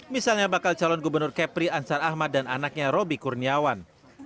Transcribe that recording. misalnya bakal calon gubernur kepri ansar ahmad dan anaknya robby kurniawan